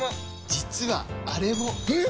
実はあれも！え！？